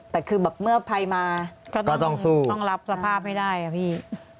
แต่คือแบบเมื่อภัยมาก็ต้องรับสภาพให้ได้อะพี่